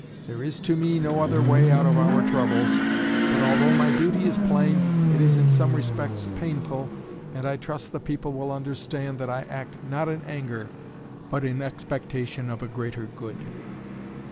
There is to me no other way out of our troubles. But although my duty is plain, it is in some respects painful, and I trust the people will understand that I act not in anger but in expectation of a greater good."